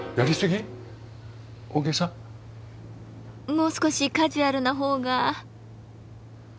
もう少しカジュアルなほうが。